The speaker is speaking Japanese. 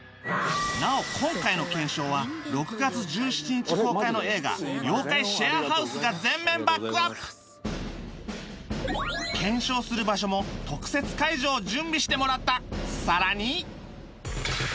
なお今回の検証は６月１７日公開の映画『妖怪シェアハウス』が全面バックアップ検証する場所も特設会場を準備してもらった